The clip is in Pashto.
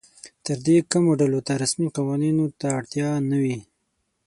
تر دې کمو ډلو ته رسمي قوانینو ته اړتیا نه وي.